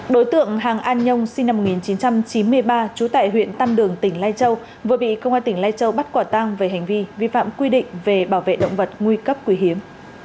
đối tượng hàng an nhông sinh năm một nghìn chín trăm chín mươi ba trú tại huyện tam đường tỉnh lai châu vừa bị công an tỉnh lai châu bắt quả tang về hành vi vi phạm quy định về bảo vệ động vật nguy cấp quý hiếm